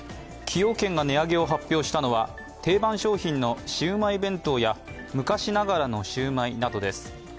崎陽軒が値上げを発表したのは、定番商品のシウマイ弁当や昔ながらのシウマイなどです。